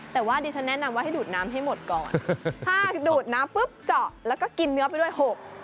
แต่ว่าดิฉันแนะนำว่าให้ดูดน้ำให้หมดก่อนถ้าดูดน้ำปุ๊บเจาะแล้วก็กินเนื้อไปด้วยหก